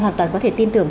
hoàn toàn có thể tin tưởng